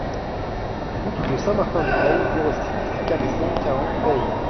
Route de Saint-Martin de Peille, zéro six, quatre cent quarante Peille